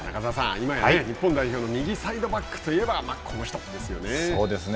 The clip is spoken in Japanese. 今や日本代表の右サイドバックといえばまあこの人ですよね。